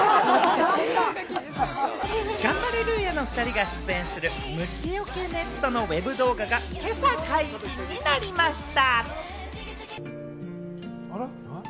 ガンバレルーヤの２人が出演する虫除けネットのＷＥＢ動画が、今朝解禁になりました。